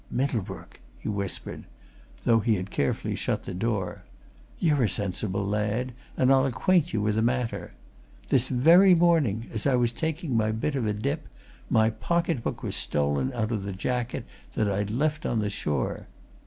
"Middlebrook!" he whispered though he had carefully shut the door "you're a sensible lad, and I'll acquaint you with a matter. This very morning, as I was taking my bit of a dip, my pocket book was stolen out of the jacket that I'd left on the shore.